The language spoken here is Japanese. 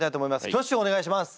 挙手をお願いします。